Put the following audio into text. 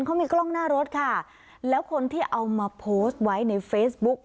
เขามีกล้องหน้ารถค่ะแล้วคนที่เอามาโพสต์ไว้ในเฟซบุ๊ก